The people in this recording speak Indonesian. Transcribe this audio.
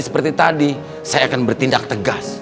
seperti tadi saya akan bertindak tegas